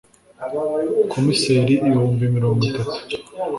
komiseri ibihumbi mirongo itatu